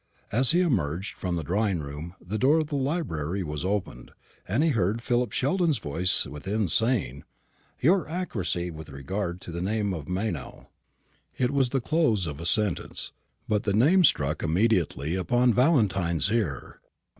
As he emerged from the drawing room, the door of the library was opened, and he heard Philip Sheldon's voice within, saying, " your accuracy with regard to the name of Meynell." It was the close of a sentence; but the name struck immediately upon Valentine's ear.